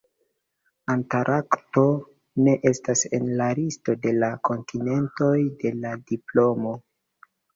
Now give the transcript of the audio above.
Antarkto ne estas en la listo de kontinentoj de la diplomo.